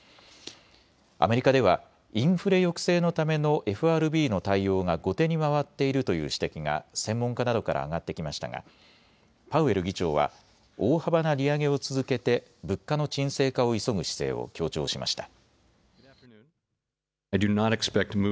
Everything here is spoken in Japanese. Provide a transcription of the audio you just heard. アメリカではインフレ抑制のためのＦＲＢの対応が後手に回っているという指摘が専門家などから上がってきましたがパウエル議長は大幅な利上げを続けて物価の沈静化を急ぐ姿勢を強調しました。